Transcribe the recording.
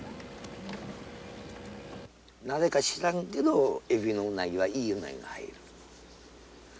なぜか知らんけどエビのウナギはいいウナギが入る。